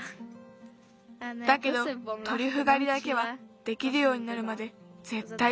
だけどトリュフがりだけはできるようになるまでぜったいつづける。